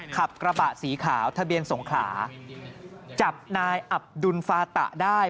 ขับกระบะสีขาวทะเบียนสงขลาจับนายอับดุลฟาตะได้